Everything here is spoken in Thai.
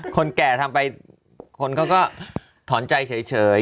คนแก่ทำไปคนเขาก็ถอนใจเฉย